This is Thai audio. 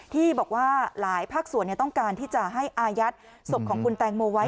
ที่บอกว่าหลายภาคส่วนต้องการที่จะให้อายัดศพของคุณแตงโมไว้